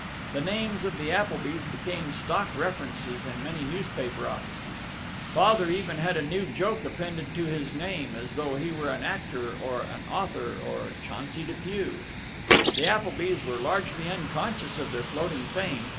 The names of the Applebys became stock references in many newspaper offices Father even had a new joke appended to his name, as though he were an actor or an author or Chauncey Depew. The Applebys were largely unconscious of their floating fame.